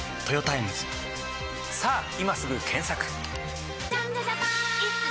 さぁ今すぐ検索！